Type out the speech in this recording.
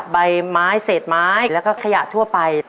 ใบไม้เศษไม้แล้วก็ขยะทั่วไป